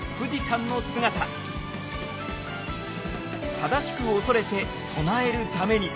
正しく恐れて備えるために。